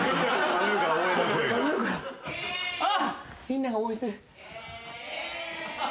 みんなが応援してる。